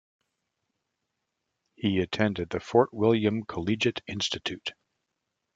He attended the Fort William Collegiate Institute.